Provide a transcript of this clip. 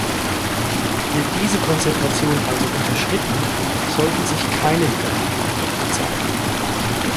Wird diese Konzentration also unterschritten, sollten sich keine negativen Effekte zeigen.